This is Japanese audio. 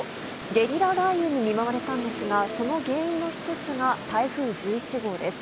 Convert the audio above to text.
ゲリラ雷雨に見舞われたんですが原因の１つが台風１１号です。